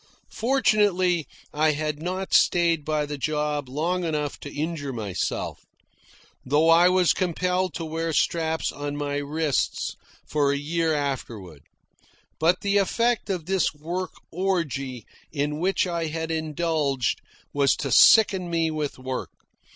Fortunately, I had not stayed by the job long enough to injure myself though I was compelled to wear straps on my wrists for a year afterward. But the effect of this work orgy in which I had indulged was to sicken me with work.